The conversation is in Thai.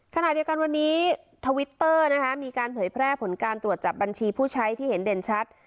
ขณะเดียวกันวันนี้ทวิตเตอร์นะคะมีการเผยแพร่ผลการตรวจจับบัญชีผู้ใช้ที่เห็นเด่นชัด